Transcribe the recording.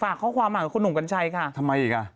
ข้อความมากับคุณหนุ่มกัญชัยค่ะทำไมอีกอ่ะ